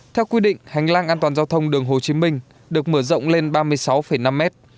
theo quy định hành lang an toàn giao thông đường hồ chí minh được mở rộng lên ba mươi sáu năm mét